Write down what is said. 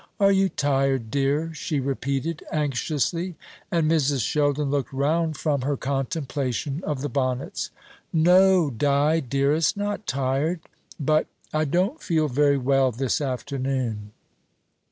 "Are you tired, dear?" she repeated, anxiously; and Mrs. Sheldon looked round from her contemplation of the bonnets. "No, Di, dearest, not tired; but I don't feel very well this afternoon."